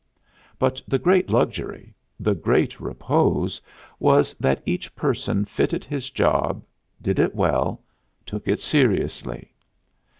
But the great luxury, the great repose, was that each person fitted his job, did it well, took it seriously.